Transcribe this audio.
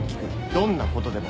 どんなことでも。